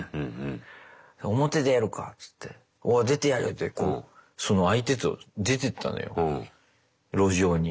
表出るかっておお出てやるってその相手と出てったのよ路上に。